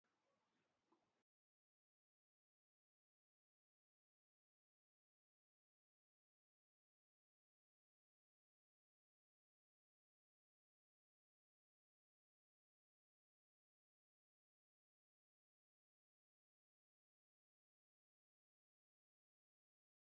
تاته په غوڅه لهجه امر کېږي چې نور بهرني دیپلوماتان مه پرېږدئ.